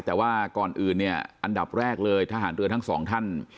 แต่ว่าก่อนอื่นเนี่ยอันดับแรกเลยทหารเรือทั้งสองท่าน